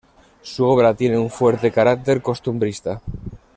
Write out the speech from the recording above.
Su obra tiene un fuerte carácter costumbrista.